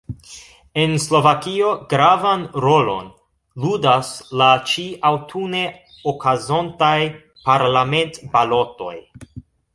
En Slovakio gravan rolon ludas la ĉi-aŭtune okazontaj parlamentbalotoj.